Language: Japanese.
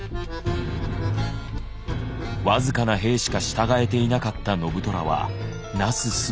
僅かな兵しか従えていなかった信虎はなすすべもなかった。